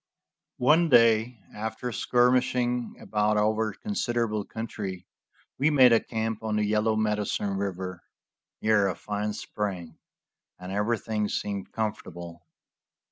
One day, after skirmishing about over considerable country, we made a camp on the Yellow Medicine river, near a fine spring, and everything seemed comfortable.